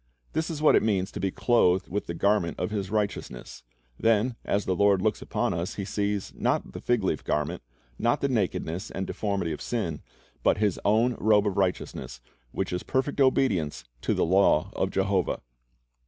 This is what it means to be clothed with the garment of His righteousness. Then as the Lord looks upon us, He sees, not the fig leaf garment, not the nakedness and deformity of sin, but His own robe of righteousness, which is perfect obedience to the law of Jehovah.